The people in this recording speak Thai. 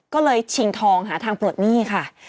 ก็เลยชิงทองหาทางปลดหนี้ค่ะ